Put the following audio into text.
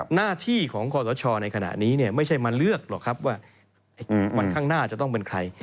หน้าที่ของคอสชในขณะนี้ไม่ใช่มาเลือกหรอกครับว่าวันข้างหน้าจะต้องเป็นใคร